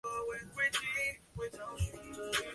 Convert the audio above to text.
德赖茨希是德国图林根州的一个市镇。